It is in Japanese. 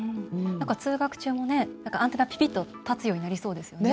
通学中もアンテナ、ピピッと立つようになりそうですよね。